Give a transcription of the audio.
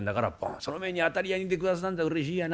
その前に当たり屋に出くわすなんざうれしいやな。